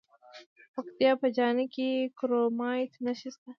د پکتیکا په جاني خیل کې د کرومایټ نښې شته.